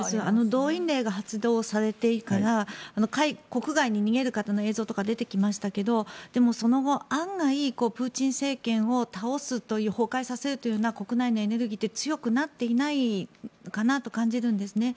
動員令が発令されてから国外に逃げる方の映像とか出てきましたがその後、案外プーチン政権を倒すという崩壊させるというような国内のエネルギーって強くなっていないかなと感じるんですね。